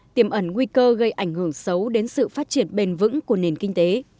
tiềm ẩn nguy cơ gây ảnh hưởng xấu đến sự phát triển bền vững của nền kinh tế